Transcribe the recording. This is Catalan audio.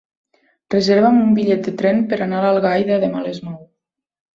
Reserva'm un bitllet de tren per anar a Algaida demà a les nou.